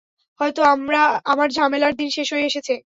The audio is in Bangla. হয়তো আমার ঝামেলার দিন শেষ হয়ে এসেছে।